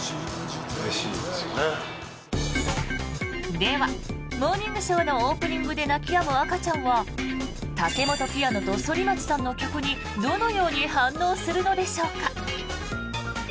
では、「モーニングショー」のオープニングで泣きやむ赤ちゃんはタケモトピアノと反町さんの曲にどのように反応するのでしょうか。